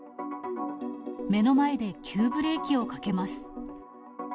目の前で急ブレーキをかけます。